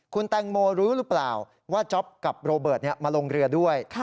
คุณแตงโมรู้หรือเปล่าว่าจ๊อปกับโรเบิร์ตมาลงเรือด้วย